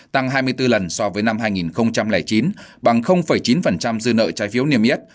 tăng hai mươi bốn lần so với năm hai nghìn chín bằng chín dư nợ trái phiếu niêm yết